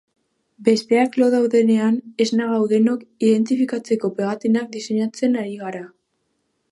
Besteak lo daudenean esna gaudenok identifikatzeko pegatinak diseinatzen ari gara.